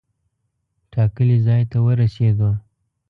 ټاکلي ځای ته ورسېدو.